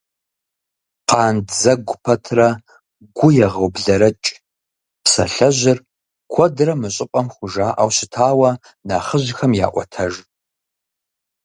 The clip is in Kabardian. «Къандзэгу пэтрэ гу егъэублэрэкӀ» псалъэжьыр куэдрэ мы щӀыпӀэм хужаӀэу щытауэ нэхъыжьхэм яӀуэтэж.